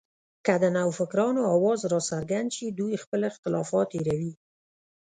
که د نوفکرانو اواز راڅرګند شي، دوی خپل اختلافات هېروي